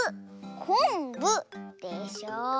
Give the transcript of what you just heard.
「こんぶ」でしょ。